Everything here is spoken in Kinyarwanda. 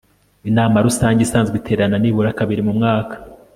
inama rusange isanzwe iterana nibura kabiri mu mwaka